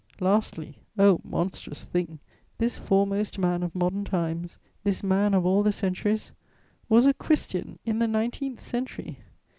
Lastly, O monstrous thing, this foremost man of modern times, this man of all the centuries, was a Christian in the nineteenth century!